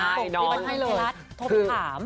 กลุ่มบันเทิงไทยรัฐทบถาม